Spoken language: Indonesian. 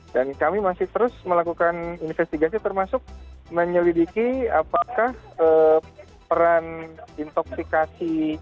dan kami masih terus melakukan investigasi termasuk menyelidiki apakah peran intoxikasi